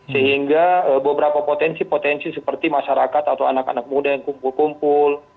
sehingga beberapa potensi potensi seperti masyarakat atau anak anak muda yang kumpul kumpul